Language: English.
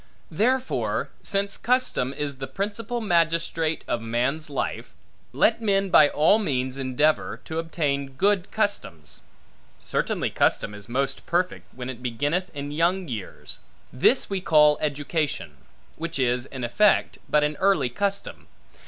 Therefore, since custom is the principal magistrate of man's life, let men by all means endeavor, to obtain good customs. Certainly custom is most perfect, when it beginneth in young years: this we call education; which is, in effect, but an early custom.